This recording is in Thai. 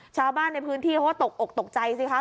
ชาวบ้านในพื้นที่โหตกตกใจสิคะ